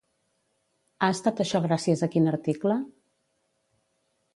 Ha estat això gràcies a quin article?